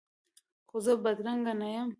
خو زه بدرنګه نه یم